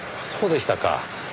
そうでしたか。